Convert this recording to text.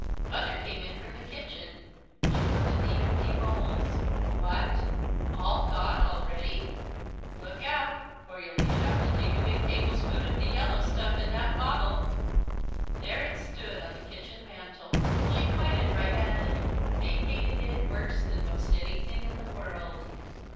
Mother came in from the kitchen. She looked at the empty bowls. "What! All gone already! Look out or you'll each have to take a big table spoonful of the yellow stuff in that bottle." There it stood, on the kitchen mantel. She pointed right at it. They hated it worse than most anything in the world.